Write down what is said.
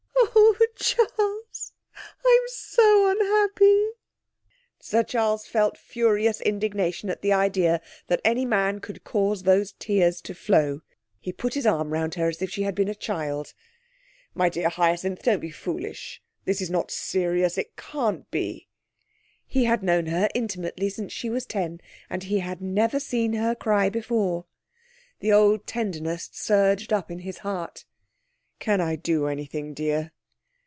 'Oh, Charles, I'm so unhappy.' Sir Charles felt furious indignation at the idea that any man could cause those tears to flow. He put his arm round her as if she had been a child. 'My dear Hyacinth, don't be foolish. This is not serious; it can't be.' He had known her intimately since she was ten and had never seen her cry before. The old tenderness surged up in his heart. 'Can I do anything, dear?'